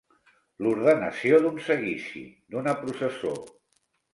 L'ordenació d'un seguici, d'una processó.